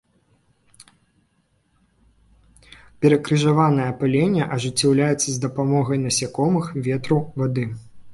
Перакрыжаванае апыленне ажыццяўляецца з дапамогай насякомых, ветру, вады.